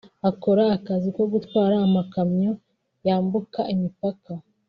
akora akazi ko gutwara amakamyo yambuka imipaka